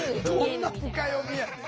どんな深読みやねん。